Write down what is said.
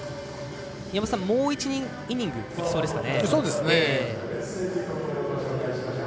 もう１イニングいきそうですかね。